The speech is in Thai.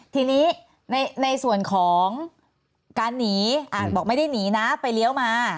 ทีนี้ในส่วนของการหนีอาจบอกไม่ได้หนีนะไปเลี้ยวมา